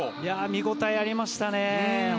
見応え、ありましたね。